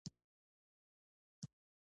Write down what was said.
د پلار دعاوې ژوند روښانه کوي.